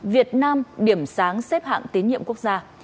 việt nam điểm sáng xếp hạng tín nhiệm quốc gia